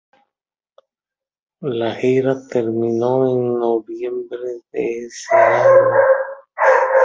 La gira terminó en noviembre de ese año.